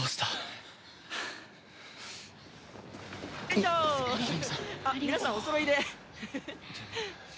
皆さんおそろいで。